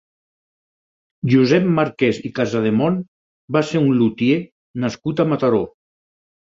Josep Marquès i Casademont va ser un lutier nascut a Mataró.